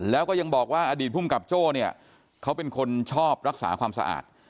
แล้วก็ยังบอกว่าอดีตภูมิกับโจ้เนี่ยเขาเป็นคนชอบรักษาความสะอาด